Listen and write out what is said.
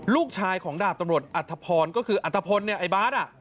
ลูกชายของดาบตำรวจอัธพรก็คืออัตภพลเนี่ยไอ้บาท